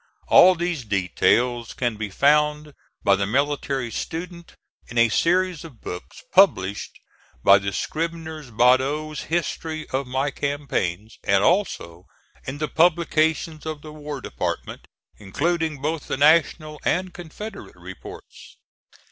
All these details can be found by the military student in a series of books published by the Scribners, Badeau's history of my campaigns, and also in the publications of the War Department, including both the National and Confederate reports.